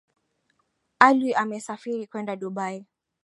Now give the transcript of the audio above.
Alwi amesafiri kwenda dubai